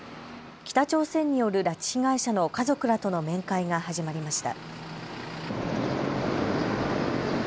北朝鮮による拉致被害者の家族らとの面会が始まりました。